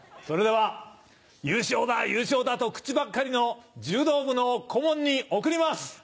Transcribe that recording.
それでは「優勝だ優勝だ」と口ばっかりの柔道部の顧問に贈ります！